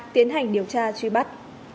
tiến hành điều tra truy bắt